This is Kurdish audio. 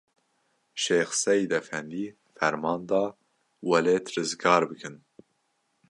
Şex Seîd efendî ferman da, welêt rizgar bikin.